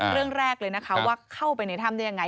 เรื่องแรกเลยนะคะว่าเข้าไปในถ้ำได้ยังไง